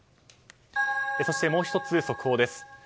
そしてもう１つ、速報です。